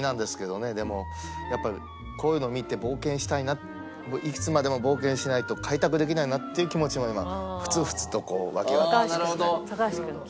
でもやっぱこういうのを見て冒険したいないくつまでも冒険しないと開拓できないなっていう気持ちも今ふつふつとこう湧き。